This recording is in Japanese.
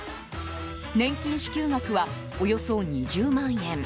年金支給額は、およそ２０万円。